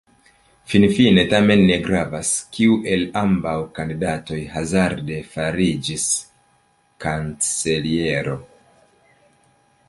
Finfine tamen ne gravas, kiu el ambaŭ kandidatoj hazarde fariĝis kanceliero.